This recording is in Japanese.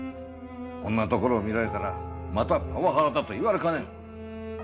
こんなところを見られたらまたパワハラだと言われかねん。